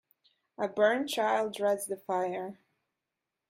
A burnt child dreads the fire.